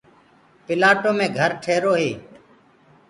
پلآٽو مي گھر ٺيهيروئي